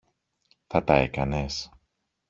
θα τα έκανες;